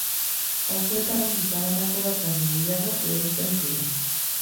Batzuetan, gizabanako bat baino gehiago ehorzten ziren.